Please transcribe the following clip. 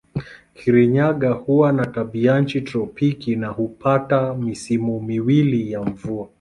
Kirinyaga huwa na tabianchi tropiki na hupata misimu miwili ya mvua.